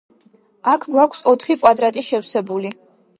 აქ გვაქვს ოთხი კვადრატი შევსებული.